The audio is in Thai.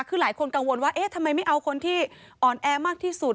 คือหลายคนกังวลว่าเอ๊ะทำไมไม่เอาคนที่อ่อนแอมากที่สุด